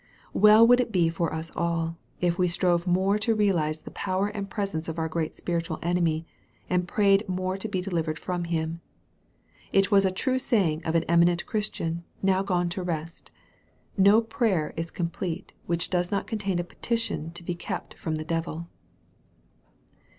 Well would it be for us all, if we strove more to realize the power and presence of our great spiritual enemy, and prayed more to be delivered from him. It was a true saying of an eminent Christian, now gone to rest, " No prayer is complete which does not contain a petition to be kept from the devil."